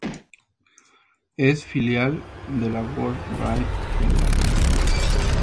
Es filial de la World Bridge Federation.